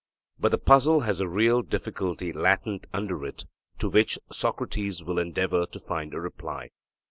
But the puzzle has a real difficulty latent under it, to which Socrates will endeavour to find a reply.